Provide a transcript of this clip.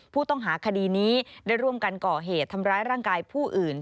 ผู้ต้องหาคดีนี้ได้ร่วมกันก่อเหตุทำร้ายร่างกายผู้อื่น